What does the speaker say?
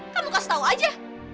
kamu kasih tau aja